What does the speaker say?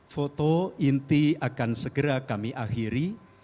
foto inti akan segera kami akhiri